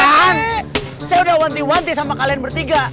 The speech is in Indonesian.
kan saya udah wanti wanti sama kalian bertiga